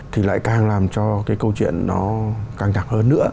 thì lại càng làm cho cái câu chuyện nó căng thẳng hơn nữa